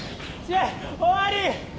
終わり？